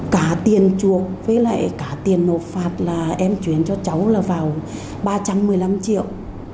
cả tiền chuộc với lại cả tiền nộp phạt là em chuyển cho cháu là vào ba trăm một mươi năm triệu